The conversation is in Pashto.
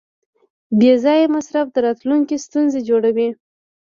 بېځایه مصرف د راتلونکي ستونزې جوړوي.